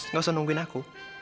gak usah nungguin aku